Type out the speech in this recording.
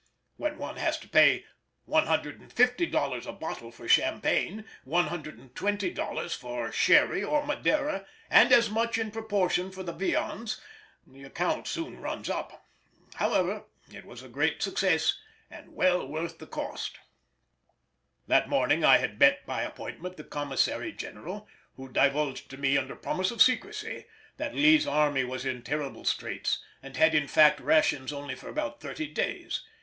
When one has to pay $150 a bottle for champagne, $120 for sherry or madeira, and as much in proportion for the viands, the account soon runs up. However, it was a great success, and well worth the cost. That morning I had met by appointment the Commissary General, who divulged to me under promise of secrecy that Lee's army was in terrible straits, and had in fact rations only for about thirty days.